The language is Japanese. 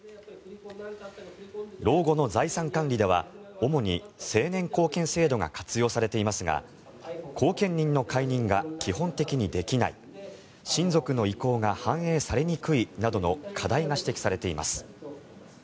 老後の財産管理では主に成年後見制度が活用されていますが後見人の解任が基本的にできない親族の意向が反映されにくいなどの課題が指摘されています。